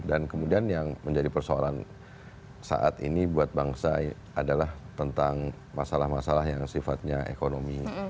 dan kemudian yang menjadi persoalan saat ini buat bangsa adalah tentang masalah masalah yang sifatnya ekonomi